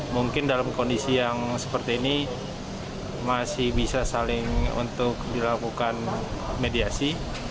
mungkin dalam kondisi yang seperti ini masih bisa saling untuk dilakukan mediasi